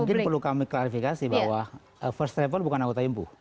mungkin perlu kami klarifikasi bahwa first travel bukan anggota impu